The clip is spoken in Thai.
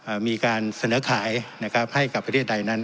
มีการเสนอขายนะครับให้กับประเทศใดนั้น